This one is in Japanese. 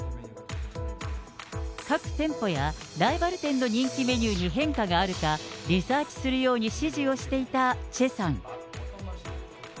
各店舗やライバル店の人気メニューに変化があるか、リサーチするように指示をしていたチェさん。